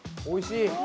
おいしい！